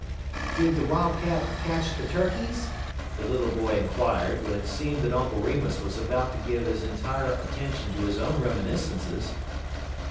"Did the Wildcat catch the turkeys?" the little boy inquired, when it seemed that Uncle Remus was about to give his entire attention to his own reminiscences.